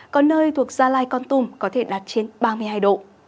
có nơi thuộc gia lai con tum có thể đạt trên ba mươi hai độ